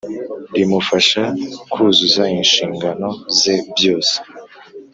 Rimufasha kuzuza inshingano ze byose